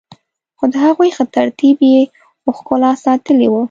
خو د هغوی ښه ترتیب يې ښکلا ساتلي وه.